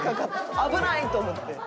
危ないと思って。